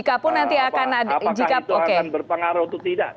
apakah itu akan berpengaruh itu tidak